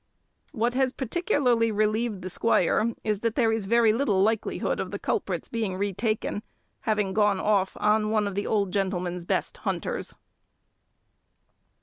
What has particularly relieved the squire is, that there is very little likelihood of the culprit's being retaken, having gone off on one of the old gentleman's best hunters.